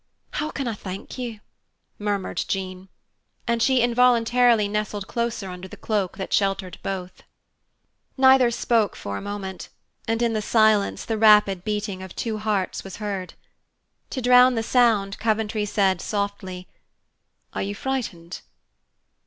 How can I thank you?" murmured Jean. And she involuntarily nestled closer under the cloak that sheltered both. Neither spoke for a moment, and in the silence the rapid beating of two hearts was heard. To drown the sound, Coventry said softly, "Are you frightened?"